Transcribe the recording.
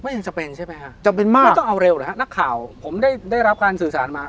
ยังจะเป็นใช่ไหมฮะจำเป็นมากไม่ต้องเอาเร็วเหรอฮะนักข่าวผมได้ได้รับการสื่อสารมา